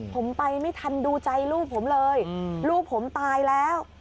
ผมไปไม่ทันดูใจลูกผมเลยลูกผมตายแล้ว